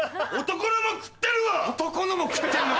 男のも食ってるよ！